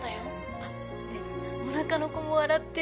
あっねえおなかの子も笑ってる。